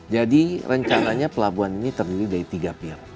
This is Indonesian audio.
jadi rencananya pelabuhan ini terdiri dari tiga pier